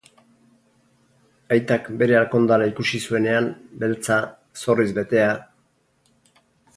Aitak bere alkandora ikusi zuenean, beltza, zorriz betea...